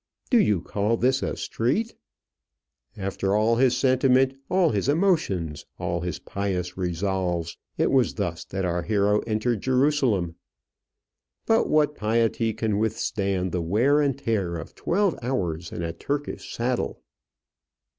"Do you call this a street?" After all his sentiment, all his emotions, all his pious resolves, it was thus that our hero entered Jerusalem! But what piety can withstand the wear and tear of twelve hours in a Turkish saddle?